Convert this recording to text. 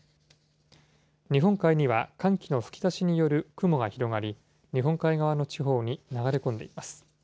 日本海には寒気の吹き出しによる雲が広がり、日本海側の地方に流れ込んでいます。